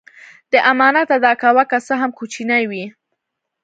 د امانت ادا کوه که څه هم کوچنی وي.